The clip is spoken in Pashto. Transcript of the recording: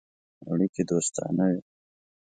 اړیکي دوستانه وه.